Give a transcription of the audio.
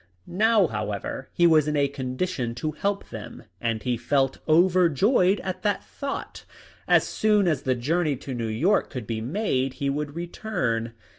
Now, however, he was in a con dition to help them, and he felt overjoyed at the thought. As soon as the journey to New York could be made he would return.